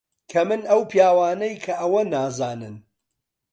کەمن ئەو پیاوانەی کە ئەوە نازانن.